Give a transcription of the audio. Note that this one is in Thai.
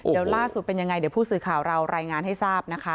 เดี๋ยวล่าสุดเป็นยังไงเดี๋ยวผู้สื่อข่าวเรารายงานให้ทราบนะคะ